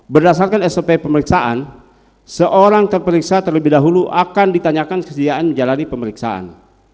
berdasarkan sop pemeriksaan seorang terperiksa terlebih dahulu akan ditanyakan kesediaan menjalani pemeriksaan